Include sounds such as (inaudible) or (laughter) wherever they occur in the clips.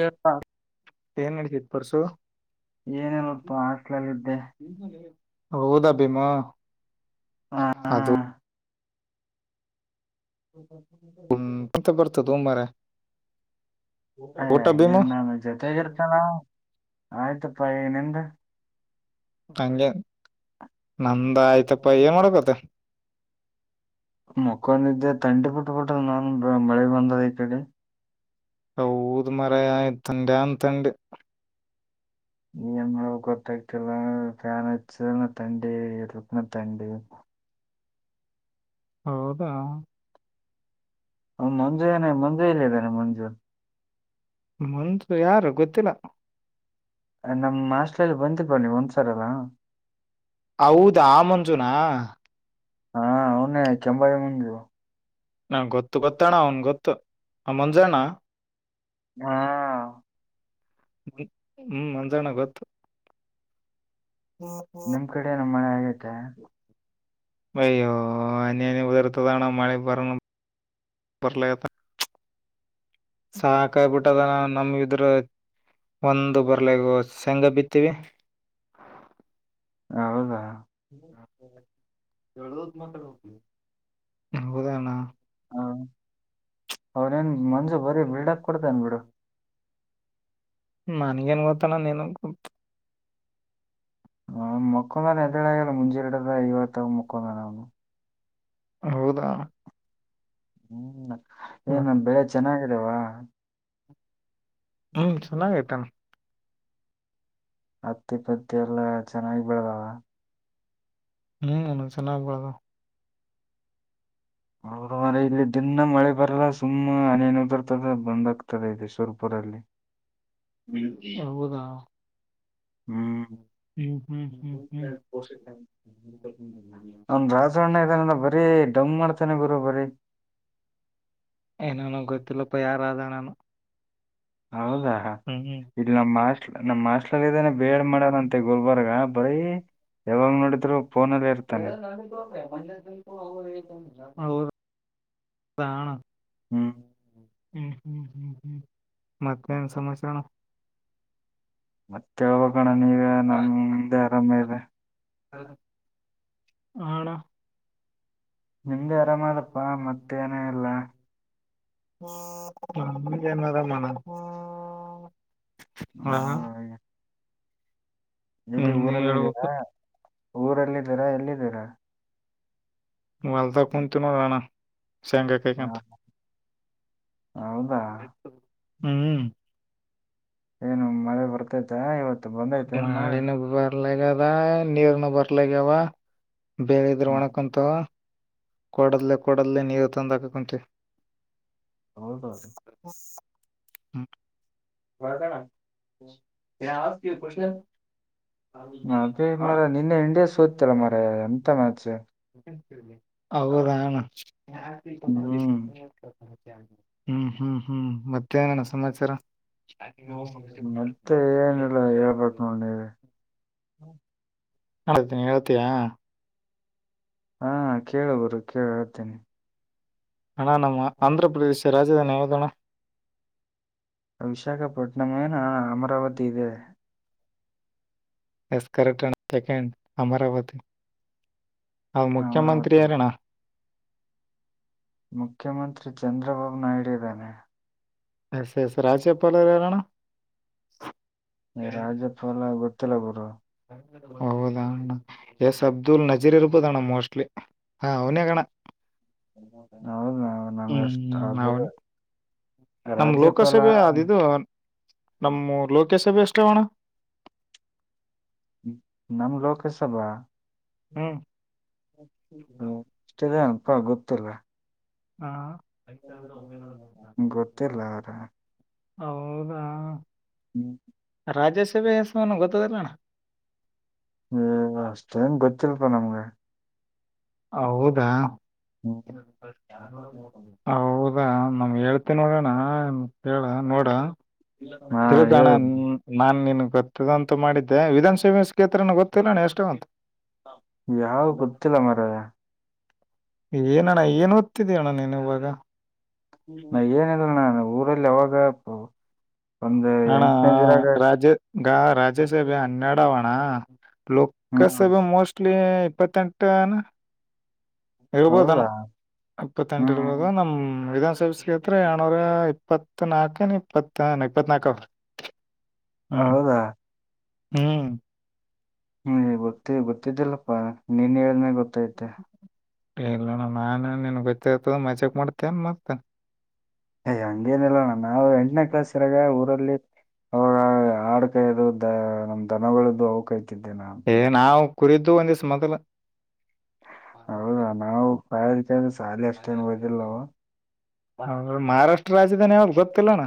ಹೇಳ್ಪಾ ಏನ್ ನಡತತ್ ಪರ್ಸು ಏನಿಲ್ಲಪ್ಪ ಹಾಸ್ಟ್ಲಲ್ಲಿದ್ದೆ ಹೌದಾ ಅಭಿಮ್ಮ ಹಾ ಹಾ ಅದು ಹ್ಮ ಹ್ಮ ಹ್ಮ ಅಂತ ಬರ್ತದಂಬಾರ ಯ ಹಂಗಗೆ ಭೀಮು ನಾನು ಜೊತೆಗ ಇರ್ತಾನ ಆಯ್ತಪ್ಪಾ ನಿಂದ ಹಗೆ ನಂದ ಆಯ್ತಪ್ಪ ಏನ್ ಮಾಡಕತ್ತ ಮಕ್ಕಂದ ಇದಿದ್ದೆ ತಂಡಿ ಬಿಟ್ಬಿಟ ನಾನ್ ಮಳೆ ಬಂದದ ಈ ಕಡೆ ಹೌದ ಮರಯ ಇತ್ತಂಡನ್ಂತಂಡ ಈ ಎಮ ಕೊತಕ್ಟಲ್ಲ ಫ್ಯಾನ್ನ್ನ ತಂಡಿ ಇಕ್ಕನ ತಂಡಿ ಹೌದಾ ಹ ಮಂಜುನ ಮಂಜು ಇಲ್ಲ ಇದ್ದೇನೆ ಮಂಜು ಮುಂದು ಯಾರು ಗೊತ್ತಿಲ್ಲ ನಮ್ಮ್ ಆಸ್ಲಲ್ಲಿ ಬಂದಿ ಬ ನೀವು್ ಒಂದ್ಸರ ಅಲ್ಲಾ ಹೌದಾ ಆ ಮಂಜುನಾ ಹಾ ಅವನೇ ಚಂಬಾರಿ ಮಂಗ ನಂಗ ಗೊತ್ತು ಗೊತ್ತಣ ಅವನ್ ಗೊತ್ತು ಆ ಮಂಜಣ್ಣ ಹಾ ಹ್ಮ್ ಒಂದಾಣ ಗೊತ್ತು ನಿಮ್ ಕಡೆನ ಮಳೆ ಆಗೈತೆ ಅಯ್ಯೋ ಉದಾರತದಣ ಮಾಡಳಿ ಬರ ಬಲ ಸಾಕಾಯಬಿಟ್ಟದ ನಮ್ ಇದ್ರ ಒಂದು ಬರ್ಲೆಗ ಶೇಂಗ ಬಿತ್ತೀವಿ ಹೌದಾ ಹೌದಣ ಹಾ ಅವೌ ನ್ ಮಂಜು ಬರೀ ಬಿಲ್ಡಪ್ ಕೊಡ್ತನ್ ಬಿಡು ನನ್ಗೇನ್ ಗೊತ್ತಾನ ನನ ಗೊತ್ತ ಹ ಮಕ್ಕಂದನ ಎದಳ ಆಗಲ್ಲ ಮುಂಜೆರಡದ ಇಐವತ್ತಾಗ ಮಕ್ಕಂದನ ಅವನು ಹೌದಾ ಹ್ಮ್ ಏನು ಬೆಳೆ ಚೆನ್ನಾಗಾಗಿದೆಾವ ಹ್ಮ್ ಚೆನ್ನಾಗೈತಾನ ಹತ್ತಿ ಪತ್ತಿ ಎಲ್ಲಾ ಚೆನ್ನಾಗಿ ಬೆಳದಾವ ಹ್ಮ್ ಚೆನ್ನಾಗ್ಬದು ಹದ ್ರ ಇಲ್ಲಿ ದಿನ ಮಳೆ ಬರಲ್ಲ ಸುಮ್ಮ ಅನ ನೋರ್ತದೆ ಬಂದ್ ಆ್ತದೆ ಇ ಶವರ್ಪುರಲ್ಲಿ ಹೌದಾ ಹ್ಮ್ ಹ್ಮ್ ಹ್ಮ್ ಹ್ಮ್ ಹ್ಮ್ ಅವ್ನ್ ರಾಜಣ್ಣ ಬರೀ ಡಮ್ ಮಾಡ್ತೇಾನ ಗುರು ಬರೀ ಏನಾನ ಗೊತ್ತಲ್ಲಪ್ಪ ಯಾರ ನಾನು ಹೌದಾ ಹ್ಮ್ ಇಲ್ಲಿ ನಮ್ಮ ಮಾಸ್ ನಮ್ಮಸ್ ಇದಾನೆ ಬೇಳ್ ಮಾಡ್ಯಾರಂತೆ ಗುಲ್ಬರ್ಗ ಬರೀ ಯಾವಾಗ ನೋಡಿದ್ರು ಫೋನಲ್ಲೇ ಇರ್ತಾನೆ ಅಣ ಹ್ಮ ಹ್ಮ್ ಹ್ಮ್ ಹ್ಮ ಹ್ಮ್ ಹ್ಮ್ ಮತ್ತೆನು ಸಂಬಿಸಣ ಮತ್ತೆೇಳ್ಬೇಕಣ ನೀ ಹಾ ಹೌ ಹಣ ನಿಮ್ದೇ ಆರಾಮದಪ್ಪಾ ಮತ್ತೇಏನೇ ಇಲ್ಲ ಹ ಜಮದ ಮನ ಹಾ ನಾವು ಎಲ್ಲಿ ನಿಮ್ದೆ ಊರಲ್ಲ ಇದಿದ್ದೀರಾ ಹೇಳ್ಬೇಕು ಊರಲ್ಲಿದ್ದೀರಾ ಎಲ್ಲಿದ್ದೀರಾ ಮಾಲ್ದ ಕುಂತ ನ ರಣ ಶೇಗ ಹ ಕೈಕಂಂತ ಹೌದಾ ಹ್ಮ್ ಏನು ಮಳೆ ಬರ್ತೈತ ಇವತ್ತು ಬಂದೈತೆ ಏನ್ ಮಳೆ ಮಾಡಳಿನ ಬರ್ಲಗ ಅದ ನೀರ್ನು ಬರ್ಲಾಗ್ಯಾವ ಬೇರೆಿದ್ರ ಒಣಕಂತು ಕೊಡಲ್ಲೇ ಕೊಡಲ್ಲೇ ನೀರು ತಂದಕ ಕುಂತೆ ಹೌದೌದು ಹ್ಮ ಬಣ ಯ ಆತಿ ಕುಷನೆ ಅಿ ಮರ ನಿನ್ನೆ ಇಂಡಿಯಾ ಸೋತತಿಲ್ಲ ಮರ ಎಂತ ಮ್ಯಾಚ್ ಹೌ ರಣ ಹ್ಮ್ ಹ್ಮ್ ಹ್ಮ್ ಹ್ಮ್ ಮತ್ತ್ಯಾನಾನ ಸಮಾಚಾರ ಶ ಮತ್ತೆ ಏನಿಲ್ಲ ಹೇಳ್ಬೇಕು ನೋಡ್ ನೀವ್ ನತೀನಿ ನಳ್ತಿಯಾ ಹಾ ಕೇಳ ಬರು ಕೇಳ ಹೇಳ್ತೇನೆ ಅಣ್ಣ ನಮ್ಮ ಆಂಧ್ರ ಪ್ರದೇಶ ರಾಜಧಾನಿ ಯಾವ್ದಣ್ಣ ವಿಶಾಖಪಟ್ಟಣಮೇಏನ ಅಮರಾವತಿ ಇದೆ ಎಸ್ ಕರೆಕ್ಟ್ ಸೆಕೆಂಡ ಅಮರಾವತಿ ಹಾ, ಅದು ಅಮರಾವತಿ ಮುಖ್ಯಮಂತ್ರಿಯಾರಣ್ಣ ಮುಖ್ಯಮಂತ್ರಿ ಚಂದ್ರಬಾಬು ನಾಯ್ಡು ಇದ್ದಾನೆ ಎಸ್ ಎಸ್ ರಾಜಚಪ್ಪಾಲರರಣ ನೀ ರಾಜಪ್ಪಲ್ಲ ಗೊತ್ತಿಲ್ಲ ಬುರು ಹೌದಾ್ಣ ಎಸ್ ಅಬ್ದುಲ್ ನಜೀರ್ರ್ಬದಣ ಮೋಸ್ಟ್ಲಿ ಹಾ ಅವನೇ ಕಣ ಹೌದು ನಮ್ಗೆ ಹ್ಮ್ ಅಷ್ಟ ಹ್ಮ್ ಅದ್ರ ಅವನ ನಮ್ ರಾಜ್ಯಪಾಲ ಲೋಕಸಭೆ ಅದುಿದು ನಮ್ಮೂ ಲೋಕಸಭೆ ಎಷ್ಟಾವಣ ನಮ್ ಲೋಕಸಭಾ ಹ್ಮ್ ಇಷ್ಟ ಅಪ್ಪಾ ಗೊತ್ತಲ್ಲ ಹಾ ಗಟ್ಟೆ ಲಾರ ಹೌದಾ ರಾಜ್ಯಸಭೆ ಹೆಸಾನ ಗೊತ್ತದಿಲ್ಲಣ್ಣ ಅಷ್ಟೇನ್ ಗೊತ್ತಿಲ್ಪಾ ನಮ್ಗೆ ಹೌದಾ ಹೌದ ಈಗ ನಮ್ ಹೇಳ್ತನೋಡಣ ಕೇಳ ನೋಡ ಇಲ್ಲ ಹಾ ತಿಕಣ ಹೇಳ ನಾನ್ ನೀನ್ ಗೊತ್ತದಂತ ಮಾಡಿದ್ದೆ ವಿಧಾನಸಭೆ ಕ್ಷೇತ್ರನ ಗೊತ್ತಿಲ್ಲಣ ಎಷ್ಟ ಅಂತು ಯಾವ ಗೊತ್ತಿಲ್ಲ ಮರ ಏನಣ್ಣ ಏನ್ ಓದ್ತಿದೀಣ್ಣ ನೀನು ಇವಾಗ ನ ಏನಲ್ ನಾನು ಊರಲ್ಲಿ ಯಾಗ ಹಣ ರಾಜ ಂಗ ರಾಜ್ಯಸಭೆ ಹನ್ನೆಡ ಅವಣ ಹ್ಮ್ ಲೋಕಸಭೆ ಮೋಸ್ಟ್ಲಿ ಇಪ್ಪತ್ತಂಟಾನ ಇರ್ಬೋದಣ ಹೌದಾ ಇಪ್ಪತ್ತೆಂಟು ಹ್ಮ್ ಇರ್ಬೋದ ಹ್ಮ್. ನಮ್ ವಿಧಾನಸ ತ್ರ ಯನೋರ ಇಪ್ಪತ್ ನಾಲ್ಕನ್ ಇಪ್ಪತ್ತ ಇಪ್ಪತ್ ನಾಕ ಅವ ಹ್ಮ್ ಹೌದಾ ಹ್ಮ್ ಹ್ಮ್ ಗೊತ್ತ ಗೊತ್ತಿದ್ದಿಲ್ಲಪ್ಪಾ ನೀನ್ ಹೇಳ್ಮೇ ಗೊತ್ತೈತೆ ಇಲ್ಲಣ ನಾನನ್ ನಿನ್ ಗೊತ್ತಿರ್ತದ ಮಜಾಕ್ ಮಾಡ್ತೇನ್ ಮತ ಅಯ ಹಂಗೇನಿಲ್ಲಣ್ಣ ನಾ ಎಂಟನೇ ಕ್ಲಾಸ್ ಇರಾಗ ಊರಲ್ಲಿ ಅವ ನಾಡ್ ಕೈದು ದ ನಮ್ ದನಗಳದ್ದು ಅ ಕಾಯ್ತಿದ್ದೆ ನಾನು ಏ ನಾವ್ ಕುರಿದ್ದು ಒಂದ ಸ ಮತಲ ಹೌದಾ ನಾವು ಕದಕ್ಕೆ್ರೆ ಸಾಲ ಅಷ್ಟೇನ್ ೋದಿಲ್ಲವ ಹ ಮಹಾರಾಷ್ಟ್ರ ರಾಜಧಾನ ಯಾವಾಗ ಗೊತ್ತಿಲ್ಲಣ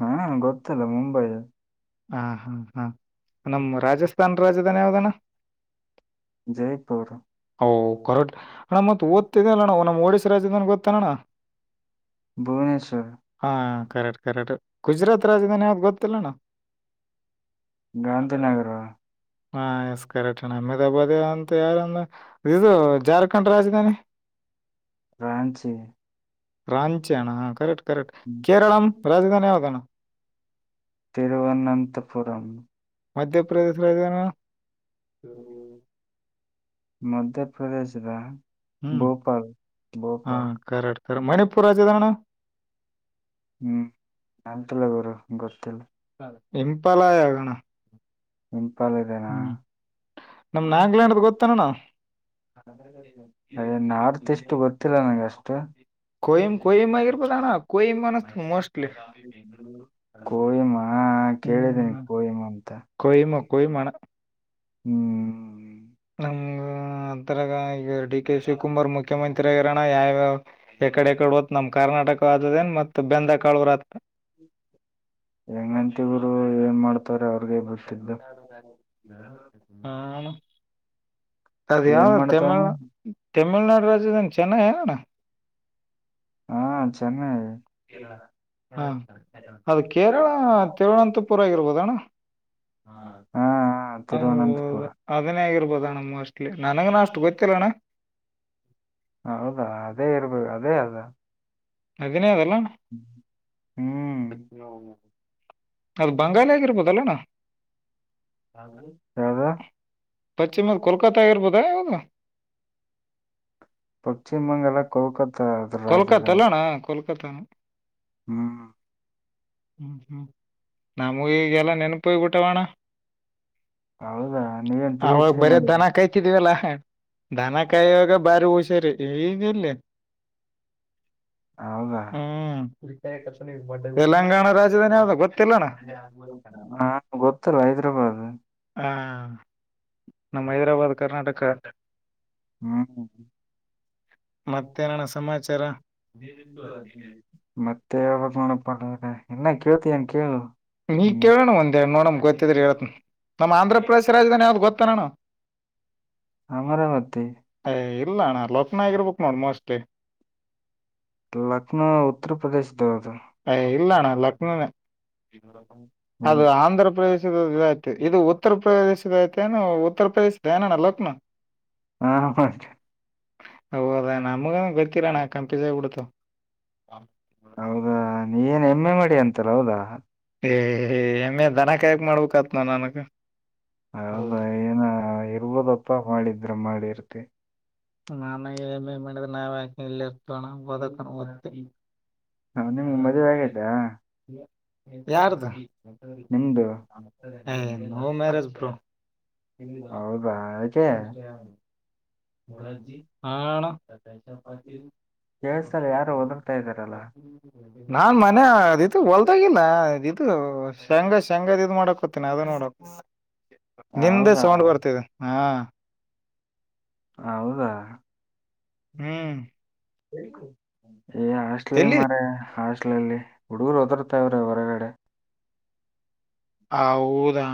ಹ ಗೊತ್ತಿಲ್ಲ ಮುಂಬೈ ಹಾ ಹಾ ಹಾ ನಮ್ಮ ರಾಜಸ್ಥಾಾನ ರಾಜಧಾನಿ ಯಾವ್ದಾನ ಜೈಪುರ್ ಹೌ ಕರಕ್ ಅಮ್ಮ ತುಓಲ್ಲ ಒಡಿಸಶಾ ರಾಜ್ಯದನ್ ಗೊತ್ತನೋಣ್ಣ ಭುವನೇಶ್ವರ್ ಹಾ ಕರೆಕ್ಟ್ ಕರೆಕ್ಟ್ ಗುಜರಾತ್ ರಾಜ್ಯದಾನ ಯಾವ್ದ ಗೊತ್ತಿಲ್ಲ ನ ಗಾಂಧಿನಗರ ಹಾ ಎಕಟ ನಮ್ಮೆದ ಬ ಒ ತ ಯಾರ ಹ ಇದು ಜಾರ್ಖಂಡ್ ರಾಜಧಾನಿ ಫ್ರಾಂಚಿ ರಾಂಚಣ ಕರೆಕ್ಟ್ ಕರೆಕ್ಟ್ ಕೇರಳಂ ರಾಜಧಾನಿ ಯೌದಣ ತಿರುವನಂತಪುರಂ ಮಧ್ಯ ಪ್ರ್ರದೇಶ್ ರಾಜಧಾನ ಮಧ್ಯಪ್ರದೇಶದ ಹ್ಮ್ ಭೋಪಲ್ ಭೋಪಾಲ್ ಸ ಮಣಿಪೂರ್ ರಾಜ ದಾನ ಹ್ಮ್ ನಂತಲ್ಲ ಗೋರು ಗೊತ್ತಿಲ್ಲ ಇಂಪಲಯಾಗಣ ಎಂಪಾಲ ಇದೇನಾ ನಮ್ ನಾಗಾಲ್ಯಾಂಡ್ ಗೊತ್ತಣ್ಣ ನಾವು ನ ಮತ್ತೆಷ್ಟು ಗೊತ್ತಿಲ್ಲ ನನ್ಗ ಅಷ್ಟು ಕೊಹಂಬಯಿಂಬ ಪಾಣ ಕೊಇಂಂಬನ್ತ ಮೋಸ್ಟ್ಲಿ ಕೋಹಿಮಾ ಕೇಳಿದ್ದೀನಿ ಹ್ಮ್ ಕೋಹಿಮಾ ಅಂತ. ಕೊಯಿಮ ಕೊಯಿಮ್ ಅಣ್ಣ ಹ್ಮ್ ಹ್ಮ್ ಅಂತರ ಈಗ ಡಿ ಕೆ ಶಿವಕುಮಾರ್ ಮುಖ್ಯಮಂತ್ರಿ ಆಗರೋಣ ಯಾವಾವ. ಎಕಡೆ ಎಕಡೆ ತ್ ನಮ ಕರ್ನಾಟಕ ಆದದೇಏನ್ ಮತ್ತ ಬೆಂದಕಾಳರತ್ರ. ಹೆಂಗಂತವರು ಏನ್ ಮಾಡ್ತಾರ. ಅವ್ರಿಗೆ ಚ ಗೊತ್ತಿದ್ದು ಹಾ ಅಣ್ಣ. ಅದ ಏನ್ ಯಾವ್ದ ತಮಿಳ್ ಮಾಡ್ತಾನೆ ತಮಿಳ್ನಾಡು ರಾಜ್ಯದಿಂದ ಚೆನ್ನೈ ಹೇಳಣ. ಹಾ ಚೆನ್ನೈ. ಹಾ ಅದು ಕೇರಳ ತಿರುವನಂತಪುರ ಆಗಿರ್ಬೋದ ಅಣ್ಣ. ಹಾ ಹಾ ತಿರುವನಂತಪುರ ಹೌದು ಅದನೇ ಆಗಿರ್ಬೋದಣ್ಣ ಮೋಸ್ಟ್ಲಿ ನನಗನ ಅಷ್ಟು ಗೊತ್ತಿಲ್ಲ ಅಣ್ಣ. ಹೌದಾ ಅದೇ ಇರ್ಬೇಕ ಅದೇ ಅದ. ಅದೇ ಅದಲ್ಲಣ. ಹ್ಮ್ ಅದು ಬಂಗಾಲ ಆಗಿರ್ಬೋದಲ್ಲನಾ. ಯಾವ್ದ ಪಶ್ಚಿಮ ಕಲ್ಕತಾ ಎರ್ ಬುದಾ ಆದು. ಪಶ್ಚಿಮ ಬಂಗಾಳ ಕೋಲ್ಕತ್ತಾ ಅದ್ರ ಕಲ್ಕತಲ್ಲಣ ಕಲ್ಕತಾ ನ. ಹ್ಮ ಹ್ಮ್ ಹ್ಮ್ ನಾ ಮುಗಗೆ ಎಲ್ಲ ನೆನಪಯ್ ಬಿಟ್ಟವಾಣ. ಹೌದಾ ನೀವೇನ್ ಪಿ ಎಚ್ ಅವಾಗ ಡಿ ಬರೀ ಮಾಡಿ ದನ ಕಾಯ್ತಿದವಲ್ಲ ದನ ಕಾಯುವಾಗ ಬಾರಿ ಹುಷಾರಿ ಇದ್ದವ. ನೀರ್ಲೆ ಹೌದಾ ಹ್ಮ್ ತೆಲಂಗಾಣ ರಾಜಧಾನಿ ಯಾವದಾಗ ಗೊತ್ತಿಲ್ಲಣ. ಹಾ ಗೊತ್ತಲ್ಲ ಹೈದ್ರಾಬಾದ್. ಹಾ ನಮ್ಮ್ ಹೈದರಾಬಾದ್ ಕರ್ನಾಟಕ. ಹ್ಮ್ ಹ್ಮ ಮತ್ತೇನಣ ಸಮಾಚಾರ ಮತ್ತ. ಕೇಳಬೇಕು ನೋಡಪ ರ ಇನ್ನ ಕೇಳ್ತ ಏನ್ ಕೇಳ. ನೀ ಕೇಳೋಣ ಒಂದ್ ನೋಡಮ ಗೊತ್ತಿದ್ರೆ ಹೇಳೇ ನಮ್ ಆಂಧ್ರ ಪ್ರದೇಶ ರಾಜಧಾನಿ ಯಾವ್ದು ಗೊತ್ತಾನೋಣ. ಅಮರಾವತಿ. ಇಲ್ಲಣ ಲೋಕ್ನಾಯಕರ ಬುಕ್ ನೋಡ್ ಮೋಸ್ಟ್ಲಿ. ಲಕ್ನೋ ಉತ್ತರ ಪ್ರದೇಶ. ಅ ಇಲ್ಲಣ್ಣ ಲಕ್ನೋನ ಅದು ಹೈ- ಆಂಧ್ರ ಪ್ರದೇಶ. ೇಶ ಇದ ಇದು ಉತ್ತರ ಪ್ರದೇಶದ ಐತೆ ಏನ ಉತ್ತರ ಪ್ರದೇಶದ ಏನಣ್ಣ ಲೋಕ್ನ. ಹಾ ಮತ್ತು. ಹೌದು ಅಣ್ಣ ನಮಗೆ ಗೊತ್ತಿಲ್ಲಣ್ಣ ಕಂಪಿಸ ಆಗ್ಬಿಡ್ತು. ಹೌದಾ ನೀ ಏನ ಎಮ್ ಎ ಮಾಡಿ ಅಂತಾರ ಹೌದಾ. ಏ ಎಮ್ ಎ ದನ ಕಾಯಕಕ್ ಮಾಡ್ಬೇಕತ್ ನ ನನಗ್. ಹೌದ ಏನ ಇರ್ಬದಪ್ಪ ಮಾಡಿದ್ರೆ ಮಾಡಿರ್ತಿ. ನಾನಾ ಮಾಡಿದ ನಾವ ಯಾಕ ಇಲ್ಲಿ ಇರ್ತಣ ಓದಕ ಓದ್. ಹಾ ನಿಮ್ಗೆ ಮದ್ವೆ ಆಯ್ತಾ. ಯಾರದ ನಿಮ್ದು ನೋ ಮ್ಯಾರಜ್ ಬ್ರೋ. ಹೌದ ಯಾಕೆ ಹಾ ಅಣ್ಣಾ ಕೇಳ್ಸ್ತಾಇಲ್ಲ ಯಾರು ಓದರತರಲಾ ಇದ್ದಾರಲ್ಲ. ನಾನ್ ಮನೆ ಅ ಇದು ಹೊಲದಾಗಿಲ್ಲ ಇದು ಶೇಂಗ ಶೇಂಗದ ಇದ್ ಮಾಡಕೋತೀನಿ ಅದ ನೋಡ. (inaudible) ನಿಮ್ದೆ ಹೌದಾ ಸೌಂಡ್ ಬರ್ತಿದೆ ಹಾ. ಹೌದಾ. ಹ್ಮ್ ಏ ಹಾಸ್ಟ್ಲ ಎಲ್ಲಿ ಮರ ಹಾಸ್ಟ್ಲಲ್ಲಿ ಹುಡುಗರು ಹೊದರ್ತವ್ರೆ ಹೊರಗಡೆ. ಹೌದಾ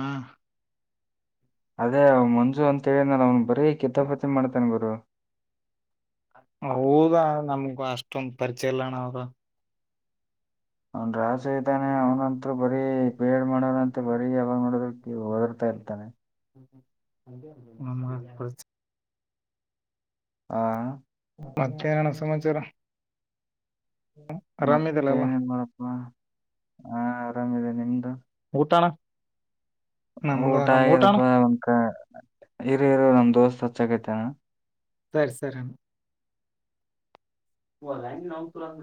ಅದೇ ಅವ ಮಂಜು ಅಂತ ಹೇಳಿದನ್ರ ಅವ್ನ ಬರೀ ಕಿತಾಪಾತಿ ಮಾಡ್ತಾನ ಗುರು. ಹೌದ ನಮಗು ಅಷ್ಟೊಂದ ಪರಿಚಯ ಇಲ್ಲಾಣ ಅವಾಗ ಅವನ್ ರಾಸೆ ಇದ್ದಾನೆ ಅವ್ನಂತರು ಬರೀ ಬೇಡ್ ಮಾಡೋದಂತ ಬರೀ ಯಾವಾಗ್ ಮಾಡೋದ ದರ್ತ ತಾನ ಹ ಹಾ ಮತ್ತ ಏನ ಅಣ್ಣಾ ಸಮಮಾಚಾರ ಮತ್ತೆ ಏನೇನ್ ಮಾಡಪ್ಪ ಹಾ ಆರಾಮಿದೆ ನಿಮ್ದು ಊಟಾನ ಊಟ ಆಗದಪ್ಪ ಒಂಕ ಇರು ಇರು ನಮ ದೋಸ್ತ್ ಹಚ್ಚಕೈತೆನಾ ಸರಿ ಸರಿ ಹೋದಾ ನೋಕ ಅಂದ್ರೆ